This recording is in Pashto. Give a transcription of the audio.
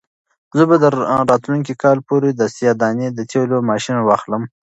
زه به تر راتلونکي کال پورې د سیاه دانې د تېلو ماشین واخلم.